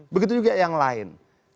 begitu juga yang lain